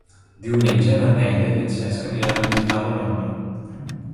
Diumenge na Neida i en Cesc aniran a visitar mon oncle.